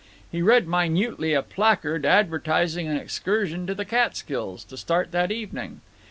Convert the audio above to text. He read minutely a placard advertising an excursion to the Catskills, to start that evening.